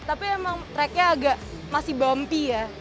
tapi emang tracknya masih agak bumpy ya